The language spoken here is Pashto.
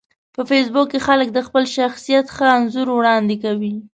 په فېسبوک کې خلک د خپل شخصیت ښه انځور وړاندې کوي